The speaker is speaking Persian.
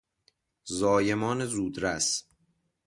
زایمان زودرس